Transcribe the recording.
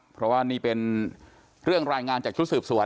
เพราะว่านี่เป็นเรื่องรายงานจากชุดสืบสวน